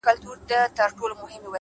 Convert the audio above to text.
د باد تیز راتګ د کوټې هوا بدله کوي’